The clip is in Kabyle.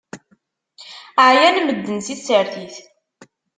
Ɛyan medden si tsertit.